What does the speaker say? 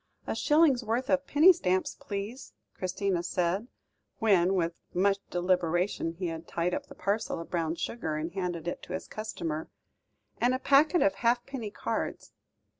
"A shillingsworth of penny stamps, please," Christina said, when with much deliberation he had tied up the parcel of brown sugar and handed it to his customer, "and a packet of halfpenny cards."